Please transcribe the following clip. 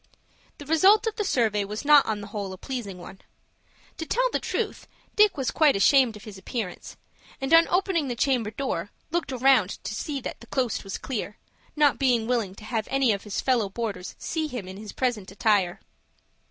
The result of the survey was not on the whole a pleasing one. To tell the truth, Dick was quite ashamed of his appearance, and, on opening the chamber door, looked around to see that the coast was clear, not being willing to have any of his fellow boarders see him in his present attire.